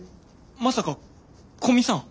まさか古見さん